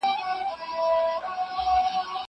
کتاب د زده کوونکي له خوا ليکل کيږي!!